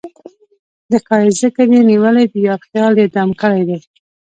د ښــــــــایست ذکر یې نیولی د یار خیال یې دم ګړی دی